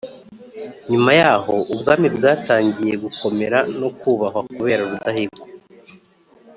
Nyuma y'aho ubwami bwatangiye gukomera no kubahwa kubera Rudahigwa